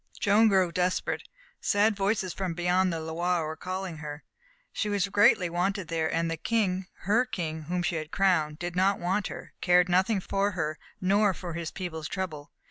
Joan grew desperate. Sad voices from beyond the Loire were calling her. She was greatly wanted there, and the King her King whom she had crowned did not want her, cared nothing for her nor for his people's trouble.